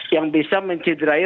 yang bisa mencidrai